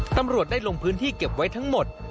ตำรวจได้ลงพื้นที่เก็บไว้ทั้งหมด